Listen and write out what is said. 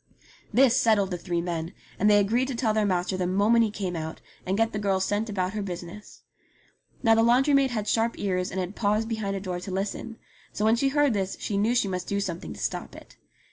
This settled the three men, and they agreed to tell their master the moment he came out, and get the girl sent about her business. Now the laundry maid had sharp ears and had paused behind a door to listen ; so when she heard this she knew she must do something to stop it.